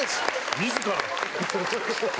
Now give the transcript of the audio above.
自ら。